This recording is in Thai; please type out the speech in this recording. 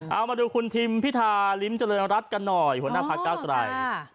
เอามาดูคุณทิมพิธาริมเจริญรัฐกันหน่อยหัวหน้าพักเก้าไกร